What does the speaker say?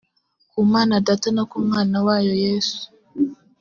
ku manadata no ku mwana wayo yesu